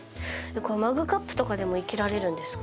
マグカップとかでも生けられるんですか？